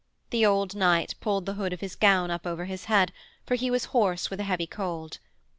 The old knight pulled the hood of his gown up over his head, for he was hoarse with a heavy cold.